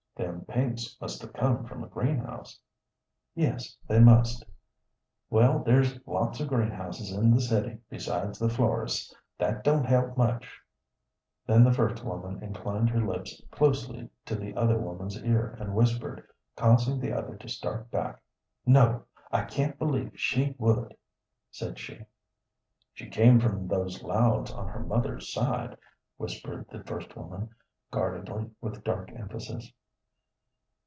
"Them pinks must have come from a greenhouse." "Yes, they must." "Well, there's lots of greenhouses in the city besides the florists. That don't help much." Then the first woman inclined her lips closely to the other woman's ear and whispered, causing the other to start back. "No, I can't believe she would," said she. "She came from those Louds on her mother's side," whispered the first woman, guardedly, with dark emphasis.